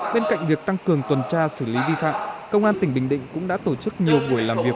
bên cạnh việc tăng cường tuần tra xử lý vi phạm công an tỉnh bình định cũng đã tổ chức nhiều buổi làm việc